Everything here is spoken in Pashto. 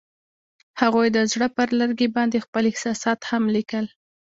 هغوی د زړه پر لرګي باندې خپل احساسات هم لیکل.